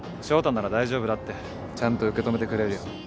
翔太なら大丈夫だって。ちゃんと受け止めてくれるよ。